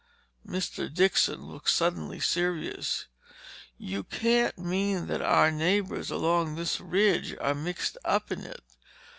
Mr. Dixon looked suddenly serious. "You can't mean that our neighbors along this ridge are mixed up in it?